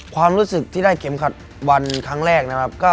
ความรู้สึกที่ได้เข็มขัดวันครั้งแรกนะครับ